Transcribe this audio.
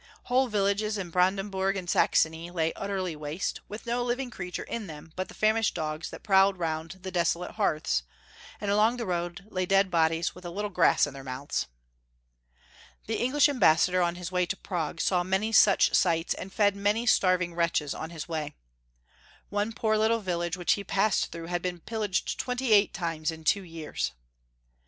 Whole villages in Brandenburg and Saxony lay utterly waste, with no living creature in them but the famished dogs that prowled round the desolate hearths, and along the road lay dead bodies witli a little grass in their mouths. The English Ambassador on liis way to Prague saw many such sights, and fed many starving wretches on his way. One poor little village which \ Ferdinand U. 851 lie passed through had been pillaged twenty eight times in two years